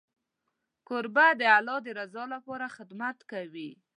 کوربه د الله د رضا لپاره خدمت کوي.